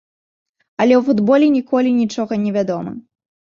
Але ў футболе ніколі нічога не вядома.